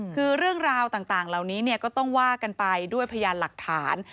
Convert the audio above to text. คือเรื่องราวต่างเหล่านี้ก็ต้องว่ากันไปด้วยพยานหลักฐาน